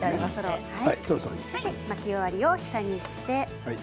巻き終わりを下にして。